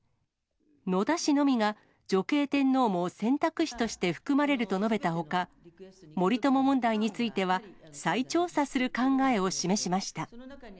野田氏のみが、女系天皇も選択肢として含まれると述べたほか、森友問題については、再調査する考えを示しました。